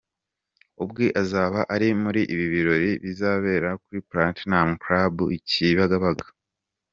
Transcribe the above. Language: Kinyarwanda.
ubwe azaba ari muri ibi birori bizabera kuri Platinum Club i Kibagabaga.